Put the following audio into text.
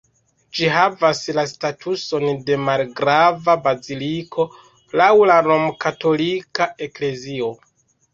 Ĝi havas la statuson de malgrava baziliko laŭ la Romkatolika Eklezio.